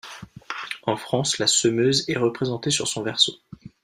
En France, la semeuse est représentée sur son verso.